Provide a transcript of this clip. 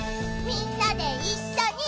みんなでいっしょに。